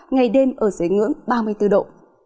ngày đêm ở dưới ngưỡng ba mươi bốn độ